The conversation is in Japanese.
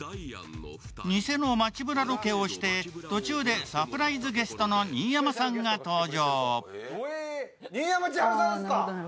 ニセの街ぶらロケをして途中でサプライズゲストの新山さんが登場。